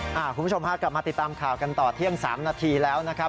คุณผู้ชมพากลับมาติดตามข่าวกันต่อเที่ยง๓นาทีแล้วนะครับ